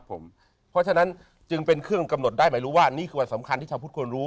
เพราะฉะนั้นจึงเป็นเครื่องกำหนดได้หมายรู้ว่านี่คือวันสำคัญที่ชาวพุทธควรรู้